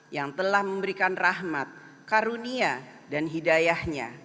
yang telah memberikan rahmat karunia dan hidayahnya